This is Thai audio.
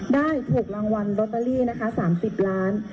ได้ถูกรางวัลลอตเตอรี่นะคะ๓๐ล้าน